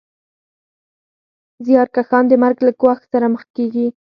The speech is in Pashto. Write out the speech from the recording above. زیارکښان د مرګ له ګواښ سره مخامخ کېږي